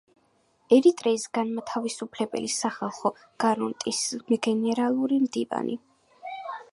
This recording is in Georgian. ერიტრეის განმათავისუფლებელი სახალხო ფრონტის გენერალური მდივანი.